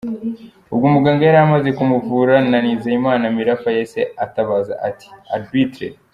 Ubwo muganga yari amaze kumuvura na Nizeyimana Mirafa yahise atabaza ati" Arbitre .